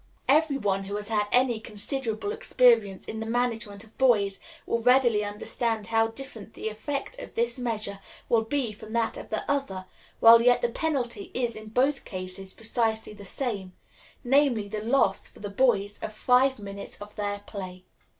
Every one who has had any considerable experience in the management of boys will readily understand how different the effect of this measure will be from that of the other, while yet the penalty is in both cases precisely the same namely, the loss, for the boys, of five minutes of their play.